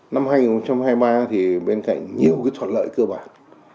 năm hai nghìn hai mươi ba thì bên cạnh nhiều cái thuận lợi cơ bản